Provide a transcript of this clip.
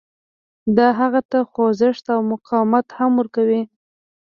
دا هغه ته خوځښت او مقاومت هم ورکوي